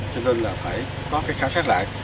cho nên là phải có khảo sát lại